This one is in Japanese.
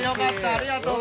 ありがとう。